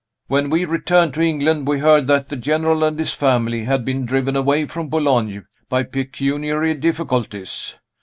When we returned to England, we heard that the General and his family had been driven away from Boulogne by pecuniary difficulties.